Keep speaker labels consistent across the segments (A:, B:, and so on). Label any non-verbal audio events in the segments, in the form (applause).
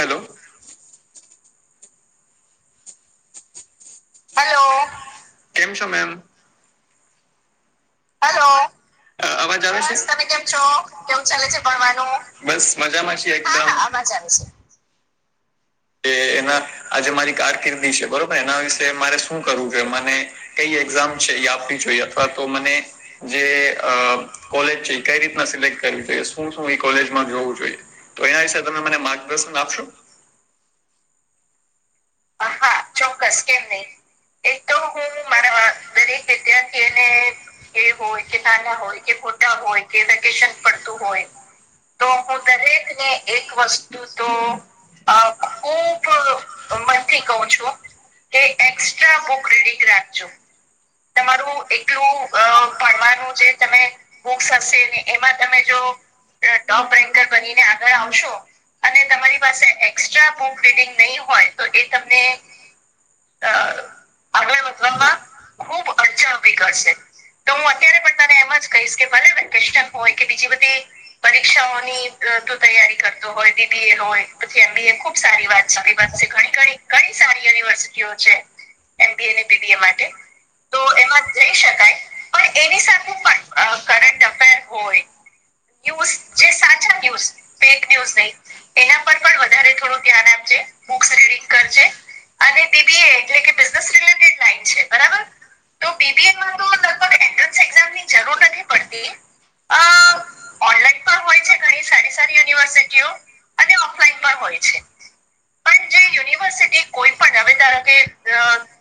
A: Hello. કેમ છો ma'am. Hello. અવાજ આવે છે તમે કેમ છો કેવું ચાલે છે ભણવાનું બસ મજામાં છ એકજ આવે.
B: હ.
A: (inaudible)
B: કે એના આજે મારી કારકિર્દી છે બરોબર એના વિશે મારે શું કરવું જોઈએ મને ક. ામ આપ જોઈ અથવા તો મને જે કોલેજ છે કઈ રીત સિલેક. શ શું કોલેજમાંવું જોઈએ તો એના વિ તમે મને માર્ગદર્શન આપશો.
A: હા ચોક્કસ કેમ નહીિ. એક તો હું મારા દરેક વિદ્યાર્થીને એ હોય કે નાને હોય કે. હોતા હોય કે વેકેશન પડતું હોય. તો હું દરેક ને એક વસ્તુ તો.
B: અ ખૂબ મ (inaudible) થી ક છો કે એક્સ્ટ્રા બ ક્રેડટ રાખજો તમારું એકલું ભણવાનું જે તમે બુક્સ હશે ને એમાં તમે જો ટોપ રેન્કર બનીને આગળ આવશો
A: અને તમારી પાસે એક્સ્ટ્રા બુક રીડિંગ નહી હોય તો એ તમને અ આગળ વધવામાં ખુબ અડચાભી કરશે તો હું અત્યારે પણ તને એમ જ કહીશ કે ભલે વેકેશન હોય કે બીજી બધી પરીક્ષાઓની ત તૈયારી કરતો હોય બીબીએ હોય પછી એમ બી એ ખુબ સારી વાત છે વાત છે ઘણી ઘણી સારી યુનિવર્સિટીઓ છે એમબી એ અનેને બીબીએ માટે તો એમાં જઈ શકાય પણ એની સાથેું પણ કરટ અફેર હોય ન્યૂઝ જે સાચા ન્યૂઝ ફેક ન્યૂઝ નહી એના પર પણ વધારે થોડું ધ્યાન આપજે કરજે અને બીબી એટલે બિઝનેસ રિલેટેડ લાઇન છે બરાબર તો બીબીએમાં તો લગભગ એન્ટ્રસ એક્ઝામની જરૂર નથી પડતી અ ઓનલાઈન પણ હોય છે ઘણી સારી સારી યુનિવર્સિટીઓ અને ઓફલાઈન પણ હોય છે પણ જે યુનિવર્સિટી કોઈ પણ હવે
B: કારણ કે અ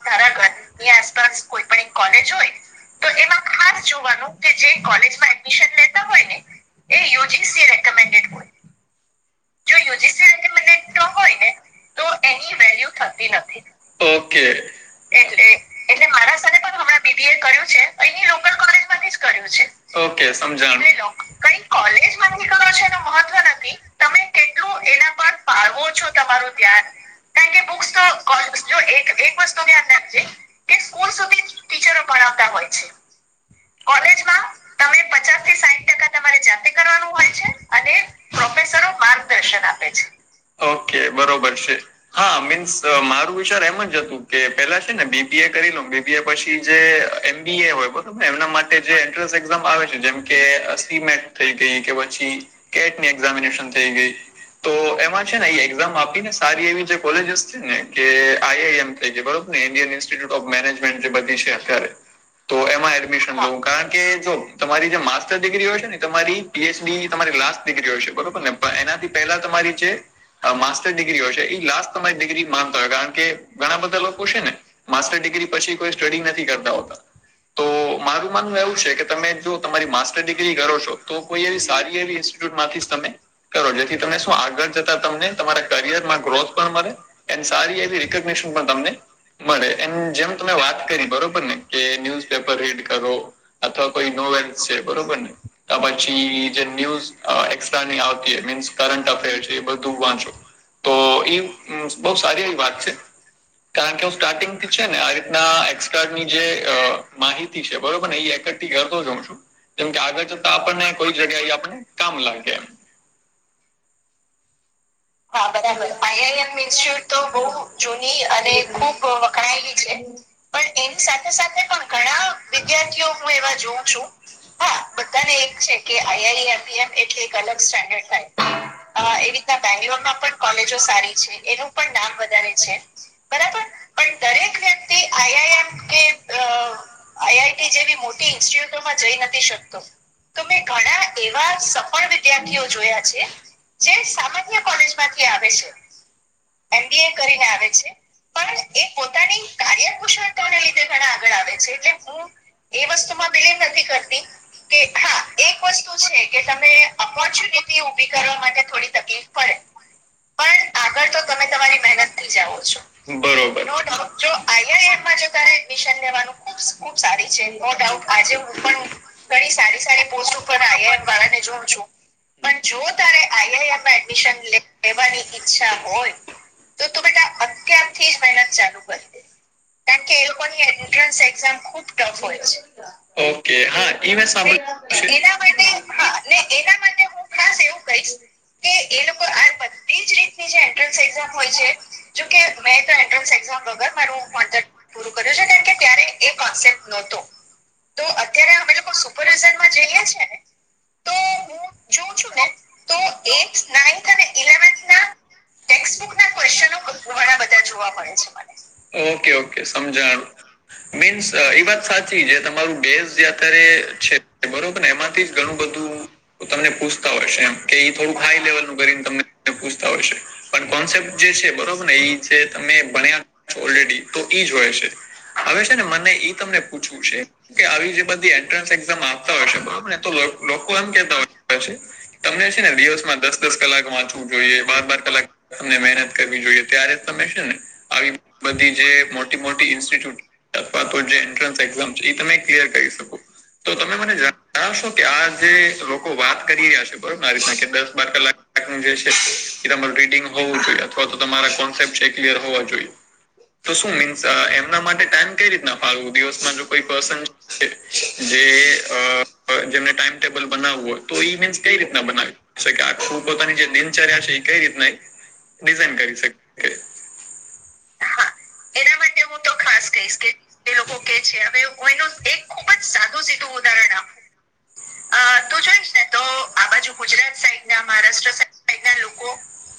B: ધારા ઘર ની આસપાસ કોઈ પણ કોલેજ હોય તો એમાં ખાસ જોવાનું કે જે કોલેજમાં એડમિશન લેતા હોય ને
A: એ યુજીસી રેકમેન્ડેડ હોય.
B: જો યુજીસી એન્ડિપેન્ડ્ટ હોય ને તો એની વેલ્યુ થતી નથી ઓકે.
A: એટલે એટલે મારા સાથે પણ હમણાં બીબીએ કર્યું છે અહી લોકલ કોલેજ માંથી જ કર્યું છે. ઓકે સમજાણું કઈ કોલેજ માંથી કરો છો એ મહત્વ નથી. તમે કેટલું એના પર પાળવો છો તમારું ધ્યાન કા કે બુક્સ જો એક એક વસ્તુ ધ્યાન રાખજે કે સ્કૂલ સુધી ટીચરો પણ આવતા હોય છે. કોલેજમાં તમે પચાસ થી સાહીઠ ટકા એ તમારે જાતે કરવાનું હોય છે અને પ્રોફેસરોઓ
B: પ્રેશર આપે છે ઓકે બરોબર છે. હા મિન્સ મારું વિચાર એમ જ હતું કે પેલા છે ને બીબી એ કરી લોઉ બીબીએ પછી જે એમ બી એ હોય પણ એમના માટે જે એન્ટ્રન્સ એઝામ આવે છે જેમ કે સીમેટ થઈ ગઈ કે ટેટ ની એક્ઝામ છે કે ને એક્ઝામ આપીને સારી એવી કોલેજસ છે ને કે આઈઆઈએમ બરોબર ને ઇન્ડિયન ઇન્સ્ટિટ્યુટ ઓફ મેનેજમેન્ટ જે બધી છે અત્યારે તો એમાં એડમિશન મળું કારણ કે જો તમારી જે માસ્ટર ડિગ્રી હોય છે ને તમારી પીએચડી તમારી લાસ્ટ ડિગ્રી હોય છે બરોબરને એનાથી પેલા તમારી જે માસ્ટર ડિગ્રી હોય છે લાસ્ટ તમારી ડિગ્રી માનતોય કારણ કે ઘણા બધા લોકો છે ને માસ્ટર ડિગ્રી પછી કોઈ સ્ટડી નથી કરતા તો. તો મારું માનવું એવું છે કે તમે જો તમારી માસ્ટર ડિગ્રી કરો છો તો કોઈ એવી સારી એવી ઈ ઇન્સ્ટિટ્યૂટ માંથી તમે કરો જેથી તમે શું આગળ જતા તમને તમારા કરિયરમાં ગ્રોથ પણ મળે એ સારી એવી એકર્ગેશન પણ તમને મળે એમ જેમ તમે વાત કરી બરોબર ને કે ન્યૂઝપેપર રીડ કરો અથવા કોઈ ન્યૂ કોવેન્સટેટ બરોબરને તો એ પછી જે ન્યુજ એસ્ટ્રાની આવતી હો મિન્સ કરટ અફેર છે એ બધું બનશે તો એ બહુ સારી એવી વાત છે. કારણ કે હું સ્ટાર્ટિંગ છે ને આ રીતના એસ્ટ્રાની જે અ માહિતી છે બરોબર ને એ
A: કટીન્યુ કરતો જાઉં છું કેમ કે આગળ જતા આપણને કોઈ જગ્યા એ આપને કામ લાગે.
B: હા બરાબર પાયલ હે ને ટ્યુન તો બહુ જૂની અને ખુબ વખણાયેલી છે પણ એની સાથે સાથે
A: પણ ઘણા વિદ્યાર્થીઓ હું એવા જોઉં છું હા બધાને એક છે કે આઈઆઈને એમ કે અલગ સ્ટાન્ડર્ડ થાય એ રીતના બેંગ્લોરમાં પણ કોલેજો સારી છે. એનું પણ નાામ વધારે છે બરાબર પણ દરેક વ્યક્તિ આઈઆઈ એમ કે અ આઈઆઈટી જેવી મોટી ઇન્સ્ટિટ્યુટમાં જઈ નથી શકતો. તો મેં ઘણા એવા સફળ વિદ્યાર્થીઓ જોયા છે જે સામાન્ય કોલેજ માંથી આવે છે એમબી એ કરીને આવે છે પણ એ પોતાની કાર્યકુશળતાને લીધે ઘણા આગળ આવે છે એટલે હું એ વસ્તુ માં બિલીવ નથી કરતી કે હા એક વસ્તુ છે કે તમે અપોર્ચ્યુનિટી ઉભી કરવા માટે થોડી તકલીફ પડે
B: જો તમે તમારી મહેનત
A: લઈ જાઉં છું બરોબર જો આઈ આઈ એમ માં એડમિશન લેવું ખૂબ સારું. અને જે પણ થાય છે તારું હું સારી સારી પોસ્ટ ઉપર આઈ આઈ ને જોઉ છું. પણ જો તારે આઈઆઈએમ એડમિશન લેવાની ઈચ્છા હોય તો તું બેટા અત્યારથી જ મહેનત ચાલુ કરી દે. કારણ કે એ લોકોની એન્ટ્રન્સ એક્ઝામ ખુબ ટફ હોય છે ઓકે હા મેં સાંભળ્યું. એના માટે હા ને એના માટે હું ખાસ એવું કહીશ કે એ લોકો આ બધી જ રીતની જે એન્ટર એન્ટ્રસ એક્ઝામ હોય છે જોકે મેં તો એન્ટ્રસ એક્ઝામ વગર પૂરું હું કર્યું છે કેમ કે અત્યારે અમે સુપરવઝનમાં જઈએ છે ને. તો હું જોઉં છું ને તો
B: એથ નાઇન્થ અને ઇલેવન્થ ના ટેક્બુક ના કવ વાળ બધા જોવા મળે છે ઓકે ઓકે સમજાણો. મીન્સ એ વાત સાચી જે તમારું ગેસ જે અત્યારે છે બરોબર ને એમાંથી ઘણું. બધું તમને પૂછતા હોય છે એમ કે થોડું હાઈ લેવલ ન કરીને તમને પૂછતા હોય છે. પણ કોન્સેપ્ટ જે છે બરોબર ને એ જે તમે ભણ્યા ઓલરેડી તો એ જ હોય છે. હવે છે ને મને એ તમને પૂછવ છે કે આવી જે બધી એન્ટ્રન્સ એક્ઝામ આપતા હોય છે બરોબરને તો. લોકો એમ કેતા તમને હશે ને. દિવસમાં દસ દસ કલાક વાંચવું જોઈએ બાર બાર કલાક તમને મહેનત કરવી જોઈએ ત્યારે તમે છે ને આવી બધી જે મોટી મોટી ઇન્સ્ટિટ્યૂટ. અથવા તો જે એન્ટ્રન્સ એક્ઝામ છે એ તમે ક્લિયર કરી શકો. તો તમે મને જણાવશો કે આ જેે લોકો વાત કરી રહ્યા છેો બરોબર મારી સાથે. દસ બાર કલાક જે છે એ તમા રીડિંગ. હોવું જોઈએ અથવા તો તમારા કોન્સેપ્ટ છે ક્લિયર હોવા જોઈએ. તો શું મીન્સ એમના માટે ટાઈમ કઈ રીતના ફ કોઈ પર્સન. જે જેને ટાઈમટેબલ બનાવવું હોય તો ઈ મીન્સ કઈ રીતના બનાવી. કે આખું પોતાની જે દિનચર્યા છે એ કઈ રીતના.
A: ડિઝન કરી શ. એના માટે. હું તો ખાસ કહીશ કે એ લોકો કે છે હવે એનું એક ખુબ જ સાદું સીધું ઉદાહરણ આપ અ તું જોઈશ ને તો આ બાજુ ગુજરાત.
B: સાઈડ ના મહારાષ્ટ્ર સાઈડ ના લોકો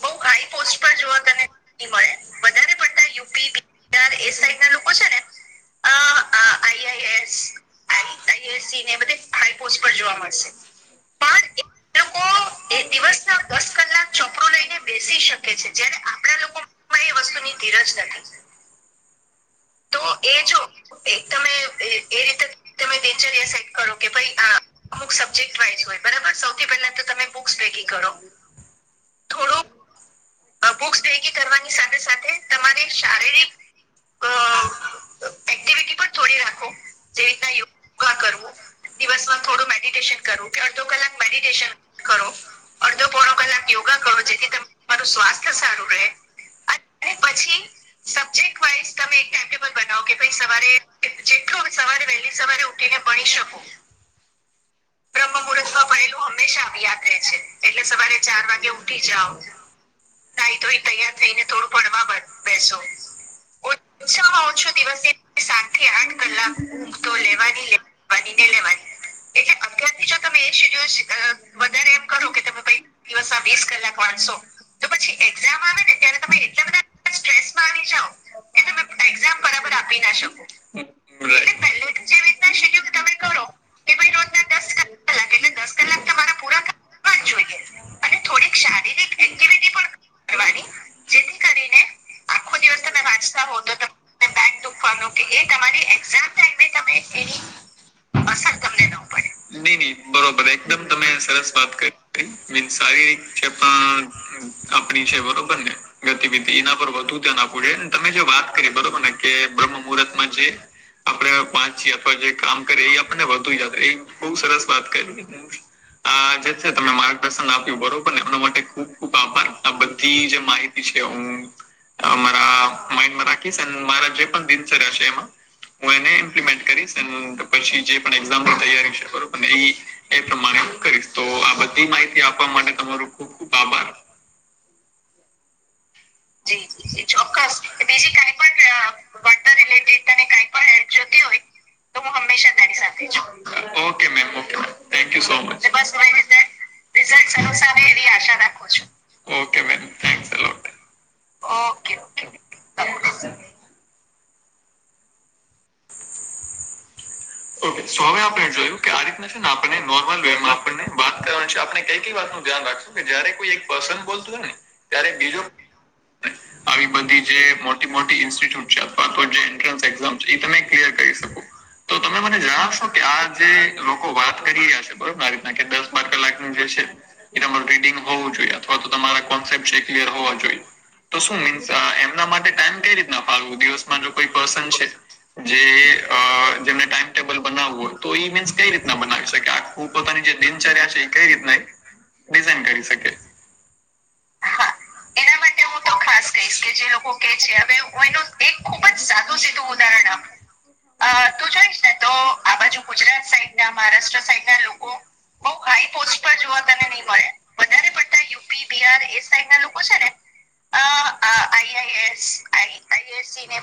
B: બહુ આ
A: પોસ્ટ પર જોવા તને મળે વધારે બધા યુપી બીર એ સાઈડ ના લોકો છે ને. હ અ એસ. આઈએસસી ને એ બધ હાઈ પોસ્ટ પર જોવા મળશે પણ એ લોકો. એ દિવસ ના દસ કલાક ચોપડું લઈને બેસી શકે. જયારે આપણા લોકોમાં એ વસ્તુની ધીરજ નથી.
B: તો એ જો એક તમે એ રીતે તમે દિનચર્યા સેટ કરો કે ભાઈ આ. અમુક સબ્જે્ટ વાઈઝ હોય બરાબર સૌથી પહેલા તો તમે બ. ક કરો હું થોડો. બુક્સ ભૈકી કરવાની સાથે સાથે તમારી શારીરિક
A: અ એક્ટિવિટી પણ થોડી રાખો જેવી રીતના યોગા કરવું. દિવસ માં થોડું મેડિટેશન કરવું કે અડધો કલાક મેડિટેશન. કરો અડધો પોણ કલાક યોગા કરો જેથી તમારું સ્વાસ્થ સારું રહે.
B: અત્યારે પછી સબ્જેક્ટ વાઈઝ તમે એક ટાઈમટેબલ બનાવો કે ભાઈ સવારે જેટલો સવારે વહેલી સવારે ઉઠે
A: ભણી શકો
B: બ્રહ્મુર્તમાં બરેલું હંમેશા
A: યાત્ર રહે છે એટલે સવારે ચાર વાગે ઉઠી જાાવ નાઈ તો એ તૈયાર થઈ ને થોડું ભણવા બેસો ઓછા ઓ છું દિવસ સાત થી આઠ કલાક ઊંઘ તો લેવાની લે
B: હ નિનેે મ
A: એટલે અત્યારથી જો તમે એ સીજો વધારે એમ કરું કે તમે પ દિવસ ના વીસ કલાક વાચશો તો પછી એક્ઝામ આવે ને ત્યારે તમે એટલા બધા સસમાં આવી એ તમે એક્ઝામ બરાબર આપી ના શકો એટલે પ જે રીતના શેડ્યુલ તમે કરો કે ભાઈ રોજના દસ કક એટલે દસ કલાક તમારા પણ જોઈએ અને થોડીક શારીરિક એક્ટિવિટી પણ કરવાની જેથી કરીને આખો દિવસ તમે વાંચતા હોવ તો તગ ખવાનું કે એ તમારી એક્ઝામ ટાઈમ તમે એની અસર તમ ન પડે નહી નહી બરોબર એકદમ તમે વાત કરીીન સારી રીતે આપ આપણી છે બરોબર ને ગતિવિધિ એના પર વધુ ધ્યાન આપવું જોઈએ ને તમે જો વાત કરી બરોબર ને બ્રહ્મ મુહૂર્ત માં છે. આપડે પાંચ અથવા જે કામ કરીએ એ આપણને વધુ યાદ એ બ સરસ વાત કરી આ જે છે તમે માર્ગદર્શન આપ્યું બરોબરને એમના માટે ખુબ ખુબ આભાર. આ બધી જે માહિતી છે હું મારા માઇન્ડમાં રાખીશ અને મારા જે પણ દિનચર્યા છે એમાં. હું એને ઇમ્પ્લિમેન્ટ કરીશ એ પછી જે પણ એક્ઝામપની તૈયારી છે બરોબર ને એ પ્રમાણે તો આ બધી માહિતી આપવા માટે તમારો ખુબ ખુબ આભાર. (inaudible) જી જી જી ચોક્કસ બીજી કઈ પણ વર્તર રિલેટેડ તને કઈ પણ હેલ્પ જોતી હોય તો હું હમેશા સાથે ઓકે થેકુ સો મ
B: રિઝલ્ટ સારા આવે એવી આશા રાખો છો.
A: Okay ma'am thanks a lot ઓ ઓ ઓ ઓકે સ હવે આપણે જોયું કે આ રીતના છે ને આપણને નોર્મલ વે માં આપણને વાત કરવાની છે આપણે કઈ કઈ વાત ધ્યાન રાખશો કે જયારે કોઈ એક પર્સંદ બોલતું હો ને ત્યારે બીજો આવી બધી જે મોટી મોટી ઇન્સ્ટિટ્યુટ છે અથવા તો જે એન્ટ્રન્સ એક્ઝામ છે એ તમે ક્લિયર કરી શ. તો તમે મને જણાવશો કે આ જે લોકો વાત કરી રહ્યા છે બરોબરને આ રીતના કે દસ બાર કલાકનું જે છે. એ તમારે રીડિંગ હોવું જોઈએ અથવા તો તમારા કોન્સેપ્ટ છે એ ક્લિયર હોવા જોઈએ તો શું મીન્સ એમના માટે ટાઈમ કઈ રીતના પાડવું દિવસમાં જો કોઈ પર્સન છે જે.
B: અ જેમને ટાઈમ ટેબલ બનાવું હોય તો મીન્સ કઈ રીતના બનાવી કે આખું પોતાની જે દિનચર્યા છે એ કઈ રીતના.
A: િઝન કરી શકે એના માટે તો ખાસ કહીશ કે જે લોકો કે છે હવેનું એક ખુબ જ સાદું સીધું ઉદાહરણ આપું. અ તું જોઈશ ને તો આ બાજુ ગુજરાત સાઈડ ના મહારાષ્ટ્ર સાઈડ ના લોકો બઉ હાઈ પોસ્ટ પર જોવા તને નહી મળે વધારે બધા યુપી બિહાર એ સાઈડ ના લોકો છે ને.